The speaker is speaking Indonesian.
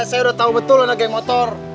saya udah tahu betul anak geng motor